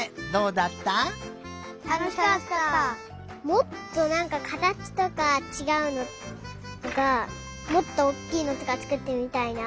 もっとなんかかたちとかちがうのとかもっとおっきいのとかつくってみたいな。